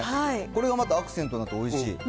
これがまたアクセントになっておいしい。